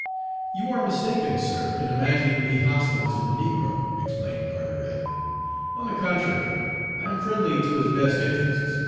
"You are mistaken, sir, in imagining me hostile to the negro," explained Carteret. "On the contrary, I am friendly to his best interests.